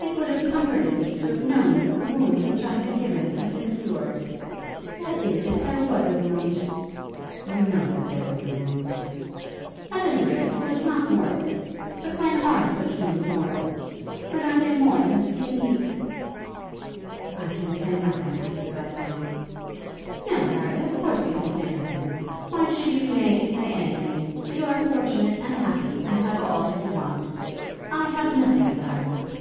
It would have comforted me to have known that the wound which I had given had been cured; that is, if there was a wound." "You know that there was a wound." "At any rate, it was not mortal. But when are such wounds mortal? When are they more than skin deep?" "I can say nothing as to that now." "No, Harry; of course you can say nothing. Why should you be made to say anything? You are fortunate and happy, and have all that you want. I have nothing that I want."